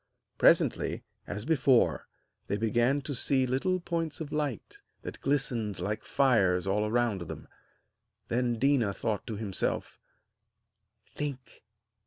Presently, as before, they began to see little points of light that glistened like fires all around them. Then Déna thought to himself: 'Think!